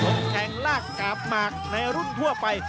แข่งลากกาบหมากในรุ่นทั่วไป